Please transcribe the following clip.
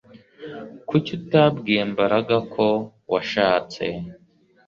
Kuki utabwiye Mbaraga ko washatse